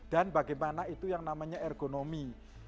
dan bagaimana itu yang namanya ergonomi